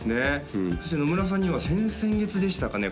そして野村さんには先々月でしたかね